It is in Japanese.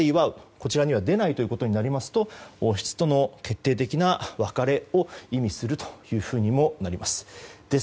こちらには出ないとなりますと王室との決定的な別れを意味するというふうにもなります。